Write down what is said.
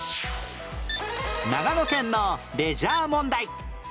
長野県のレジャー問題